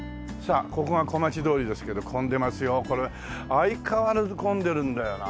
相変わらず混んでるんだよなあ。